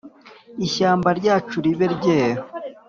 ishyamba ryacu ribe ryeru